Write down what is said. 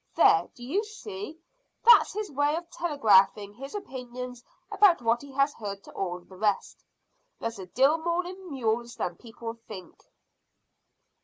There, do you see? That's his way of telegraphing his opinions about what he has heard to all the rest. There's a deal more in mules than people think."